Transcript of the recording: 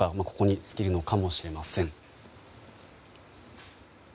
ここに尽きるのかもしれません。